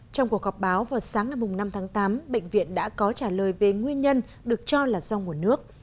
trong cuộc họp báo vào sáng ngày năm tháng tám bệnh viện đã có trả lời về nguyên nhân được cho là do nguồn nước